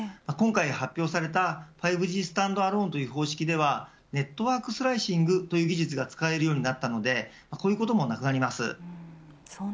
今回発表された５Ｇスタンドアローンという方式ではネットワークスライシングという技術が使えるようになったのでこういうこともなくなります。